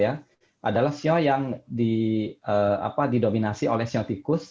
adalah siu yang didominasi oleh siu tikus